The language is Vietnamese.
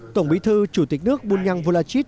tổng bí thư chủ tịch nước bunyang volachit